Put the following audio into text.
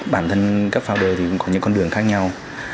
bản thân các founder thì cũng có những con đường khác nhau